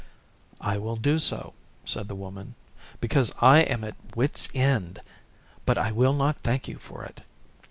'I will do so,' said the Woman, 'because I am at my wits' end; but I will not thank you for it.